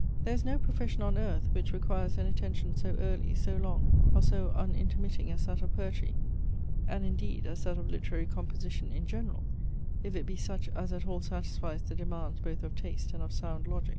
There is no profession on earth, which requires an attention so early, so long, or so unintermitting as that of poetry; and indeed as that of literary composition in general, if it be such as at all satisfies the demands both of taste and of sound logic.